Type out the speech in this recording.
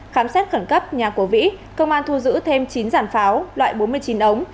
khám xét khẩn cấp nhà của vĩ công an thu giữ thêm chín giản pháo loại bốn mươi chín ống